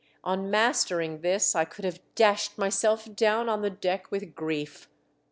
On mastering this I could have dashed my self down on the deck v/ith grief.